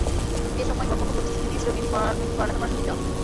বিয়ের সময় বরপক্ষ প্রতিশ্রুতি দিয়েছিল, মেয়েটিকে পড়ালেখা করার সুযোগ দেওয়া হবে।